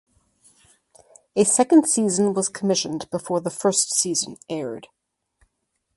A second season was commissioned before the first season aired.